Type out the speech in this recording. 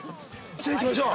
◆じゃあ行きましょう。